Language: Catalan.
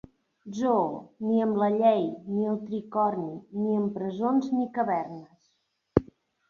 zoo: "ni amb la llei, ni el tricorni, ni amb presons ni cavernes..."